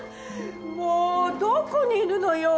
もうどこにいるのよ？